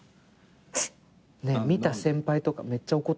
見た先輩とかめっちゃ怒ってきそう。